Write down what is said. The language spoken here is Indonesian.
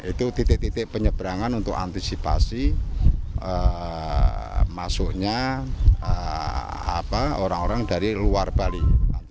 itu titik titik penyeberangan untuk antisipasi masuknya orang orang dari luar bali